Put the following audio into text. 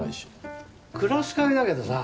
クラス会だけどさ。